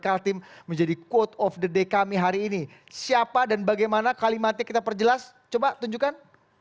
khatim menjadi quote of the day kami hari ini tapi tetap aja petikan kalimat dasyat gubernur khatim menjadi quote of the day kami hari ini jadi quote of the day kami hari ini